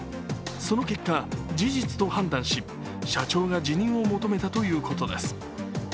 その結果、事実と判断し社長が辞任を求めたということです。